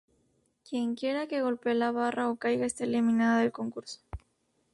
Quienquiera que golpee la barra o caiga está eliminada del concurso.